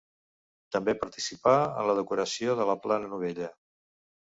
També participà en la decoració de la Plana Novella.